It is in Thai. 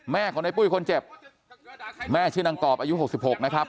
ของในปุ้ยคนเจ็บแม่ชื่อนางกรอบอายุ๖๖นะครับ